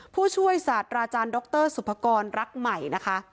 ผู้ช่วยศาสตราจารย์ดรสุภกรรักใหม่นะคะ